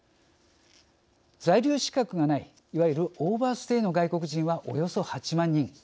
在留資格がないいわゆるオーバーステイの外国人はおよそ８万人。